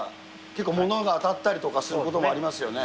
結構物が当たったりすることとかもありますよね。